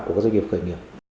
của các doanh nghiệp khởi nghiệp